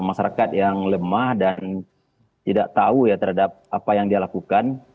masyarakat yang lemah dan tidak tahu ya terhadap apa yang dia lakukan